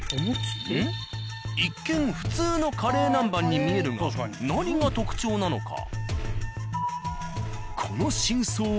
一見普通のカレー南蛮に見えるが何が特徴なのか。